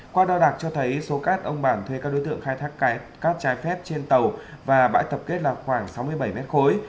qua đo đạc cho thấy số cát ông bản thuê các đối tượng khai thác cát trái phép trên tàu và bãi tập kết là khoảng sáu mươi bảy mét khối